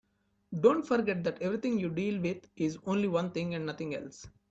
Don't forget that everything you deal with is only one thing and nothing else.